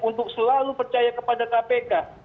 untuk selalu percaya kepada kpk